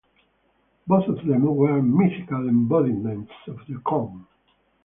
Both of them were mythical embodiments of the corn.